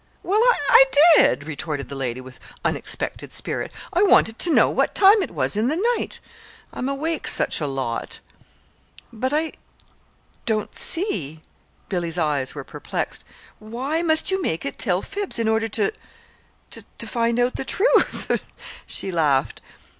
_" "Well, I did," retorted the lady, with unexpected spirit. "I wanted to know what time it was in the night I'm awake such a lot." "But I don't see." Billy's eyes were perplexed. "Why must you make it tell fibs in order to to find out the truth?" she laughed.